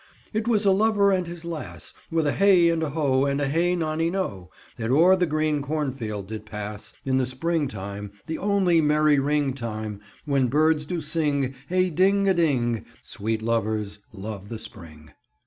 "It was a lover and his lass, With a hey and a ho, and a hey nonino, That o'er the green cornfield did pass In the spring time, the only merry ring time, When birds do sing, hey ding a ding Sweet lovers love the spring."